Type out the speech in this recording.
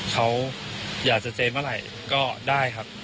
เขาอยากจะเจนเมื่อไหร่ก็ได้ครับ